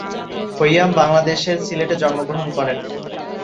খৈয়াম বাংলাদেশের সিলেটে জন্মগ্রহণ করেন।